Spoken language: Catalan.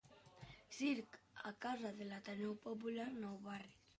Circ a casa de l'Ateneu Popular nou Barris.